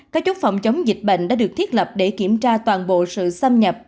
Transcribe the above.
các chốt phòng chống dịch bệnh đã được thiết lập để kiểm tra toàn bộ sự xâm nhập